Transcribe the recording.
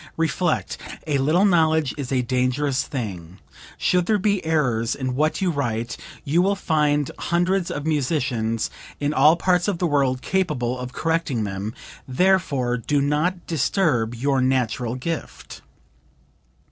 Reflect, 'a little knowledge is a dangerous thing;' should there be errors in what you write, you will find hundreds of musicians in all parts of the world capable of correcting them, therefore do not disturb your natural gift."